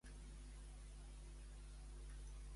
Com va ser la reacció d'Augies?